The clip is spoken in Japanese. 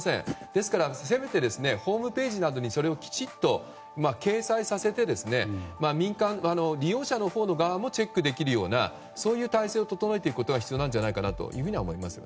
ですからせめてホームページなどにそれをきちっと掲載させて利用者側もチェックできるような体制を整えていくことが必要だと思います。